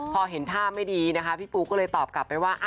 พอเห็นท่าไม่ดีนะคะพี่ปูก็เลยตอบกลับไปว่า